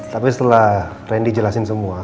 tapi setelah randy jelasin semua